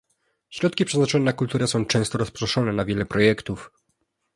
Środki przeznaczane na kulturę są często rozproszone na wiele projektów